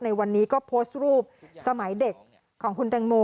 ในวันนี้ก็โพสต์รูปสมัยเด็กของคุณแตงโม